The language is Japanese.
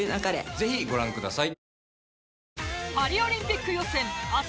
ぜひご覧ください。